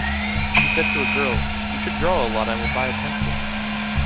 He said to a girl, “You should draw a lot I will buy a pencil”.